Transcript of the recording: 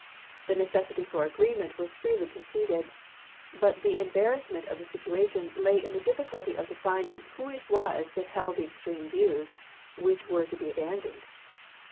The necessity for agreement was freely conceded, but the embarrassment of the situation lay in the difficulty of defining who it was that held the extreme views which were to be abandoned.